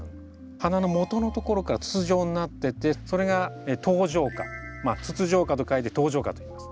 花のもとのところから筒状になっててそれが筒状花「筒状花」と書いて筒状花といいます。